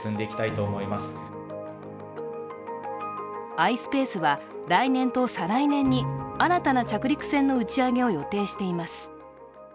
ｉｓｐａｃｅは来年と再来年に新たな着陸船の打ち上げを予定しています。